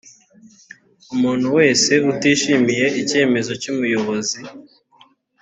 umuntu wese utishimiye icyemezo cy umuyobozi